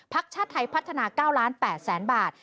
ชาติไทยพัฒนา๙๘๐๐๐บาท